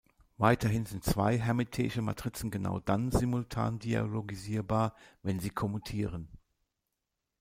Weiterhin sind zwei hermitesche Matrizen genau dann simultan diagonalisierbar, wenn sie kommutieren.